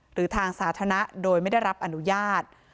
หรือทางสาธารณะโดยไม่ได้รับอนุญาต